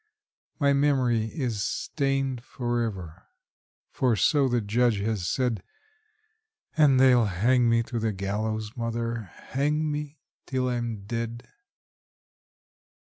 My memory is stained forever; for so the Judge has said, And they'll hang me to the gallows, mother hang me till I'm dead!